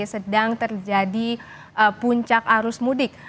sedang terjadi puncak arus mudik